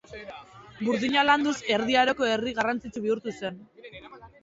Burdina landuz Erdi Aroko herri garrantzitsu bihurtu zen.